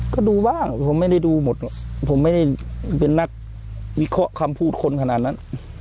ก็ดูบ้างผมไม่ได้ดูหมดผมไม่ได้เป็นนักวิเคราะห์คำพูดคนขนาดนั้น